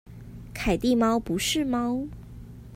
凱蒂貓不是貓